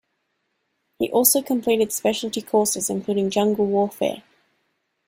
He also completed specialty courses including Jungle Warfare.